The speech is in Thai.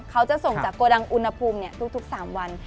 เขาจะส่งจากโกดังอุณหภูมิทุก๓วัน